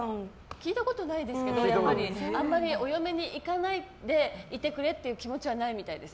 聞いたことないですけどあまりお嫁に行かないでいてくれっていう気持ちはないみたいです。